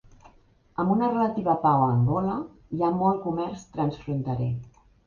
Amb una relativa pau a Angola, hi ha molt comerç transfronterer.